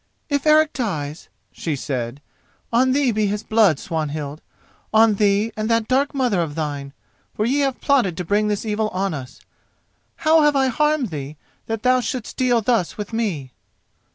"If Eric dies," she said, "on thee be his blood, Swanhild—on thee and that dark mother of thine, for ye have plotted to bring this evil on us. How have I harmed thee that thou shouldst deal thus with me?"